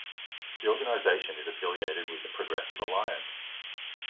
The organisation is affiliated with the Progressive Alliance.